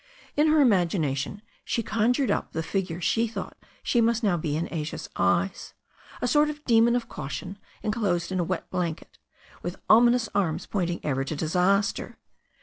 In her imagination she con jured up the figure she thought she must now be in Asia's eyes — b, sort of demon of caution enclosed in a wet blanket, with ominous arms pointing ever to disaster.